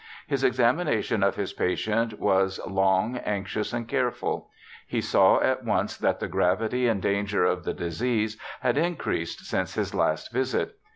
His examination of his patient was long, anxious, and careful. He saw at once that the gravity and danger of the disease had increased since his last visit.